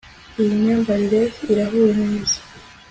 Iyi myambarire irahuye neza